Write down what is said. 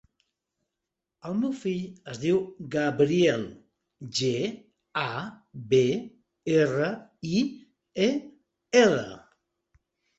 El meu fill es diu Gabriel: ge, a, be, erra, i, e, ela.